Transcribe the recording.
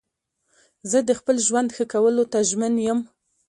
زه د خپل ژوند ښه کولو ته ژمن یم.